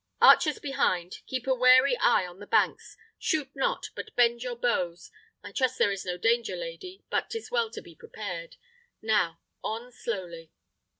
Archers behind, keep a wary eye on the banks: shoot not, but bend your bows. I trust there is no danger, lady, but 'tis well to be prepared. Now, on slowly."